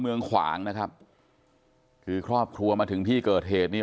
ขวางนะครับคือครอบครัวมาถึงที่เกิดเหตุนี้